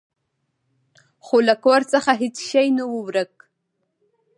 خو له کور څخه هیڅ شی نه و ورک.